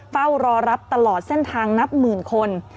เฝ้ารอรับตลอดเส้นทางนับหมื่นคน